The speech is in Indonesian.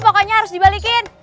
pokoknya harus dibalikin